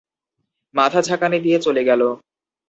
মাথা ঝাঁকানি দিয়ে চলে গেল।